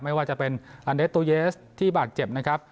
ไม่ว่าจะเป็นอันเดสตูเยสที่บาดเจ็บนะครับ